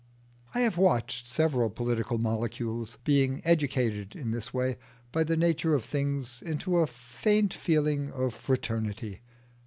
I have watched several political molecules being educated in this way by the nature of things into a faint feeling of fraternity.